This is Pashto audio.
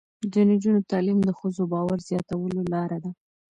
د نجونو تعلیم د ښځو باور زیاتولو لاره ده.